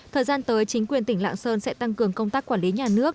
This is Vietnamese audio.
thời gian tới chính quyền tỉnh lạng sơn sẽ tăng cường công tác quản lý nhà nước